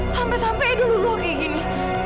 sampai sampai edo luluh kayak gini